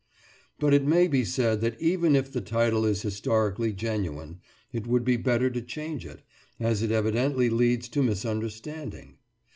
But it may be said that even if the title is historically genuine, it would be better to change it, as it evidently leads to misunderstanding.